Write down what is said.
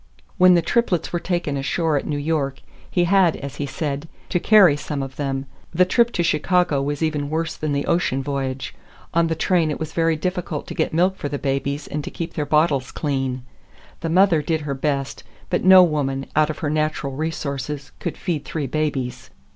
When the triplets were taken ashore at New York, he had, as he said, "to carry some of them." The trip to Chicago was even worse than the ocean voyage. On the train it was very difficult to get milk for the babies and to keep their bottles clean. The mother did her best, but no woman, out of her natural resources, could feed three babies.